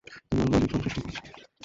তোমার মালিক সংসার শুরু করছে।